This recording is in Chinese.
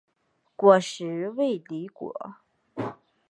果实为离果。